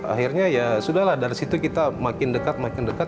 akhirnya ya sudah lah dari situ kita makin dekat makin dekat